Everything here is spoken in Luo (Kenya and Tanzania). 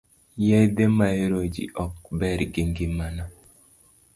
Yedhe maeroji ok ber gi ngimana.